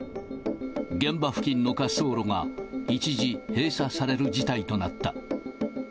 現場付近の滑走路が一時閉鎖される事態となった。